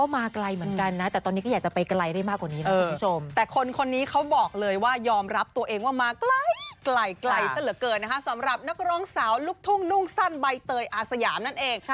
มาไกลหมายถึงอะไรหมายถึงหน้าที่การงาน